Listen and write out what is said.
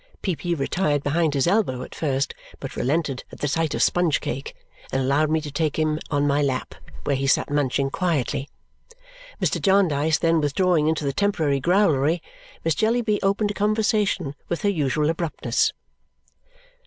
Peepy retired behind his elbow at first, but relented at the sight of sponge cake and allowed me to take him on my lap, where he sat munching quietly. Mr. Jarndyce then withdrawing into the temporary growlery, Miss Jellyby opened a conversation with her usual abruptness.